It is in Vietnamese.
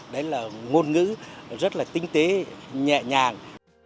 đấy là ngôn ngữ rất là tinh tế nhẹ nhàng